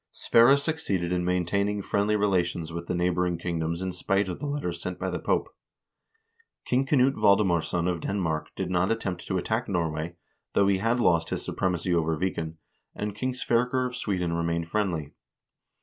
Sverre succeeded in maintaining friendly relations with the neigh boring kingdoms in spite of the letters sent by the Pope. King Knut Valdemarsson of Denmark did not attempt to attack Norway, though he had lost his supremacy over Viken, and King Sverker of Sweden remained friendly.